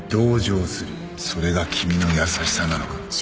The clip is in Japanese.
それが君の優しさなのか？